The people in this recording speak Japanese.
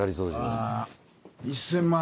あ１０００万？